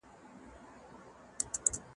که واکمنان عادل وي ولس ورسره همکاري کوي.